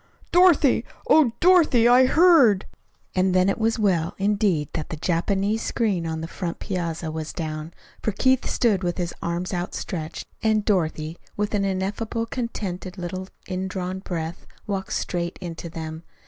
"Dorothy, oh, Dorothy I heard!" And then it was well, indeed, that the Japanese screen on the front piazza was down, for Keith stood with his arms outstretched, and Dorothy, with an ineffably contented little indrawn breath, walked straight into them.